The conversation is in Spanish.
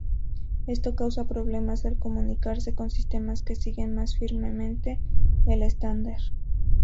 Esto causa problemas al comunicarse con sistemas que siguen más firmemente el estándar.